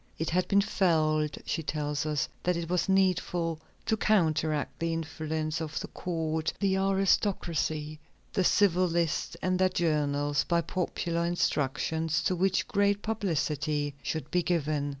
"It had been felt," she tells us, "that it was needful to counteract the influence of the court, the aristocracy, the civil list and their journals, by popular instructions to which great publicity should be given.